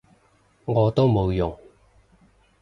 我都冇用